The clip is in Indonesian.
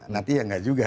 nanti ya nggak juga